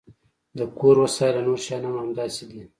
د کور وسایل او نور شیان هم همداسې دي